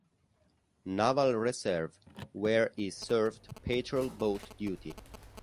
Naval Reserve, where he served patrol boat duty.